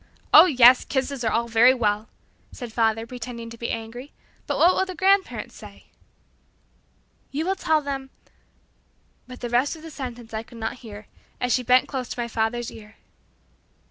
"Oh, yes; kisses are all very well," said father, pretending to be angry, "but what will the grandparents say?" "You will tell them" but the rest of the sentence I could not hear, as she bent close to my father's ear.